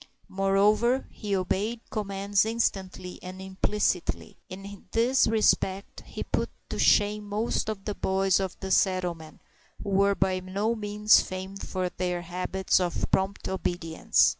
Moreover, he obeyed commands instantly and implicitly. In this respect he put to shame most of the boys of the settlement, who were by no means famed for their habits of prompt obedience.